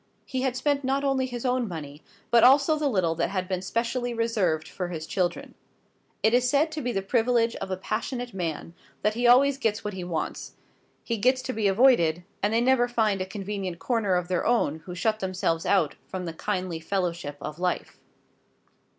He had spent not only his own money, but also the little that had been specially reserved for his children. It is said to be the privilege of a passionate man that he always gets what he wants; he gets to be avoided, and they never find a convenient corner of their own who shut themselves out from the kindly fellowship of life.